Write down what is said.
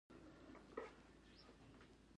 نیمګړی خط یوازې دا کار کولی شو.